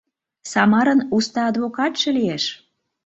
Самарын уста адвокатше лиеш.